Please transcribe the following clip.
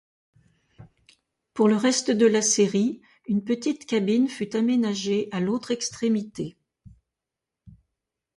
Pour le reste de la série, une petite cabine fut aménagée à l'autre extrémité.